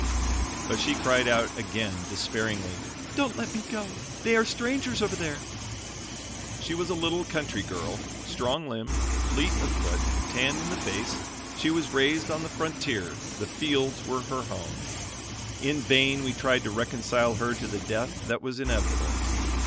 But she cried out again despairingly: "Don't let me go; they are strangers over there." She was a little country girl, strong limbed, fleet of foot, tanned in the face; she was raised on the frontier, the fields were her home. In vain we tried to reconcile her to the death that was inevitable.